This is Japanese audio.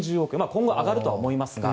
今後上がるかと思いますが。